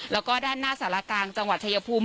และก็ด้านหน้าศาลกรรมจังหวัดชายพูม